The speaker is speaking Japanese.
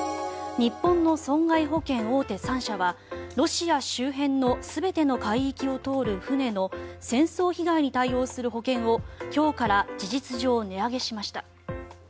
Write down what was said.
日本の損害保険大手３社はロシア周辺の全ての海域を通る船の戦争被害に対応する保険を今日から事実上、値上げしました。